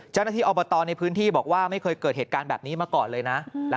เจ้าหน้าที่อบตในพื้นที่บอกว่าไม่เคยเกิดเหตุการณ์แบบนี้มาก่อนเลยนะ